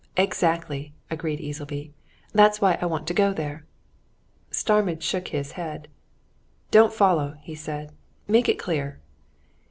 "Exactly," agreed Easleby. "That's why I want to go there." Starmidge shook his head. "Don't follow!" he said. "Make it clear."